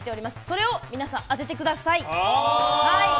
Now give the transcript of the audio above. それを皆さん当ててください。